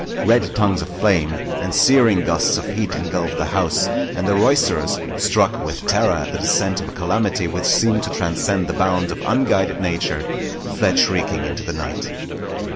Red tongues of flame and searing gusts of heat engulfed the house; and the roysterers, struck with terror at the descent of a calamity which seemed to transcend the bounds of unguided Nature, fled shrieking into the night.